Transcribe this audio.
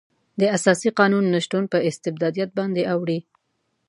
د اساسي قانون نشتون په استبدادیت باندې اوړي.